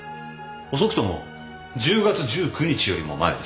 遅くとも１０月１９日よりも前です。